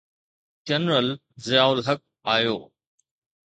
General Zia ul Haq آيو.